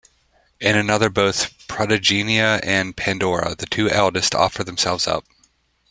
In another both Protogeneia and Pandora, the two eldest, offer themselves up.